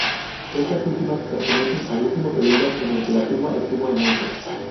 Estas últimas pertenecen al último periodo en el que la tumba estuvo en uso.